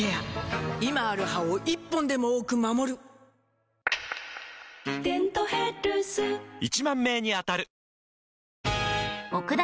今ある歯を１本でも多く守る「デントヘルス」１０，０００名に当たる！